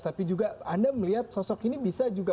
tapi juga anda melihat sosok ini bisa juga